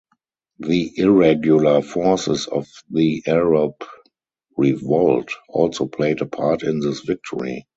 The irregular forces of the Arab Revolt also played a part in this victory.